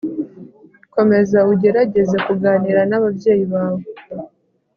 Komeza ugerageze kuganira n ababyeyi bawe